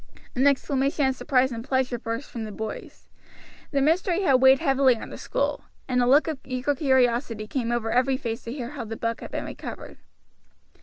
An exclamation of surprise and pleasure burst from the boys. The mystery had weighed heavily on the school, and a look of eager curiosity came over every face to hear how the book had been recovered.